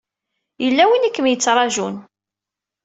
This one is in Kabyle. Yella win i kem-yettṛajun.